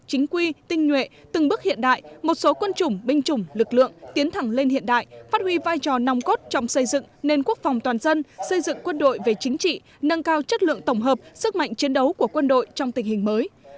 chính quy tinh nhuệ từng bước hiện đại một số quân chủng binh chủng lực lượng tiến thẳng lên hiện đại phát huy vai trò nòng cốt trong xây dựng nền quốc phòng toàn dân xây dựng quân đội về chính trị nâng cao chất lượng tổng hợp sức mạnh chiến đấu của quân đội trong tình hình mới